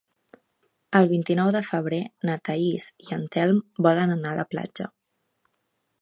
El vint-i-nou de febrer na Thaís i en Telm volen anar a la platja.